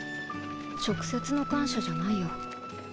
直接の感謝じゃないよ。